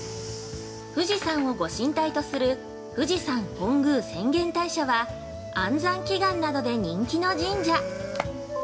◆富士山をご神体とする富士山本宮浅間大社は、安産祈願などで人気の神社。